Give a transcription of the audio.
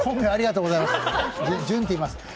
ありがとうございます。